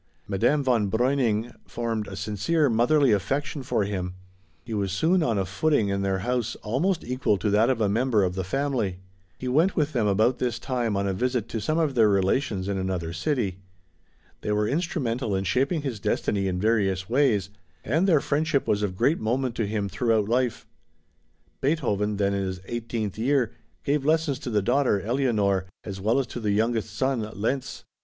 Madame von Breuning formed a sincere, motherly affection for him; he was soon on a footing in their house almost equal to that of a member of the family. He went with them about this time on a visit to some of their relations in another city. They were instrumental in shaping his destiny in various ways, and their friendship was of great moment to him throughout life. Beethoven, then in his eighteenth year, gave lessons to the daughter Eleonore, as well as to the youngest son, Lenz.